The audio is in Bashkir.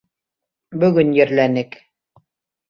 Бөгөн ерләнек.